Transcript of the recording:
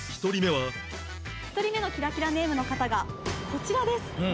１人目のキラキラネームの方がこちらです。